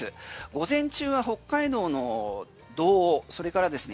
午前中は北海道の道央それからですね